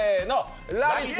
「ラヴィット！」